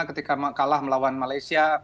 ketika kalah melawan malaysia